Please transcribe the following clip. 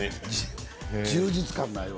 充実感ないわ。